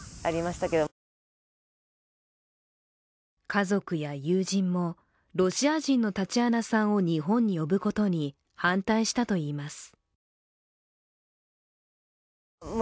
家族や友人もロシア人のタチアナさんを日本に呼ぶことに反対したといいます。